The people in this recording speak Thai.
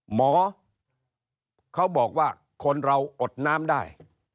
หมอเขาบอกว่าคนเราอดน้ำได้